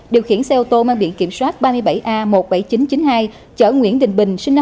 điều khiển xe ô tô mang biện kiểm soát ba mươi bảy a một mươi bảy nghìn chín trăm chín mươi hai chở nguyễn đình bình sinh năm hai nghìn